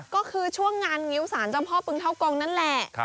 ก็คือช่วงงานงิ้วสารเจ้าพ่อปึงเท่ากงนั่นแหละ